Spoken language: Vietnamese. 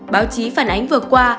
báo chí phản ánh vừa qua